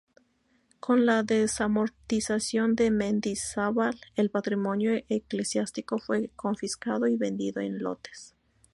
Con la desamortización de Mendizábal el patrimonio eclesiástico fue confiscado y vendido en lotes.